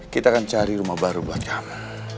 kita akan cari rumah baru buat kami